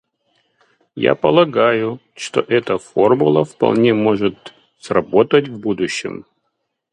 Я полагаю, что эта формула вполне может сработать в будущем.